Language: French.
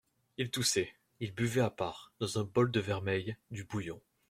Il toussait ; il buvait à part, dans un bol de vermeil, du bouillon.